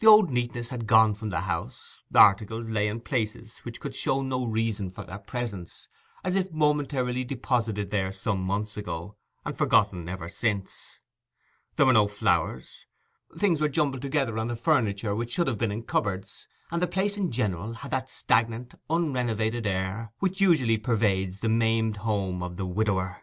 The old neatness had gone from the house; articles lay in places which could show no reason for their presence, as if momentarily deposited there some months ago, and forgotten ever since; there were no flowers; things were jumbled together on the furniture which should have been in cupboards; and the place in general had that stagnant, unrenovated air which usually pervades the maimed home of the widower.